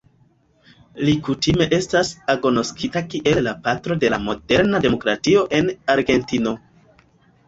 Li kutime estas agnoskita kiel "la patro de la moderna demokratio en Argentino".